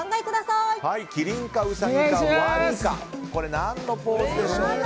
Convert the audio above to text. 何のポーズでしょうか。